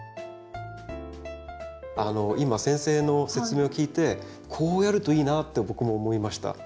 今先生の説明を聞いてこうやるといいなって僕も思いました。